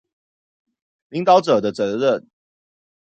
領導者的責任